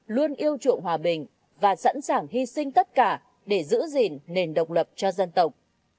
luôn yêu chuộng hòa bình và sẵn sàng hy sinh tất cả để giữ gìn nền độc lập cho dân tộc